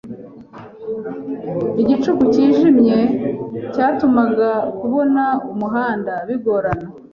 Igicu cyijimye cyatumaga kubona umuhanda bigorana.